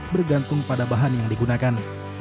bergantung pada bahan yang digunakan